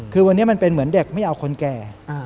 คือวันนี้มันเป็นเหมือนเด็กไม่เอาคนแก่